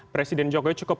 presiden jokowi cukup